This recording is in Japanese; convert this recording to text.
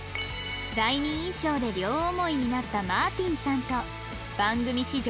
第二印象で両思いになったマーティンさんと番組史上